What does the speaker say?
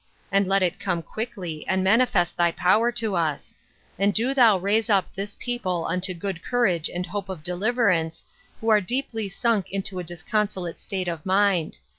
And let it come quickly, and manifest thy power to us; and do thou raise up this people unto good courage and hope of deliverance, who are deeply sunk into a disconsolate state of mind.